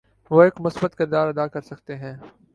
وہ ایک مثبت کردار ادا کرسکتے ہیں۔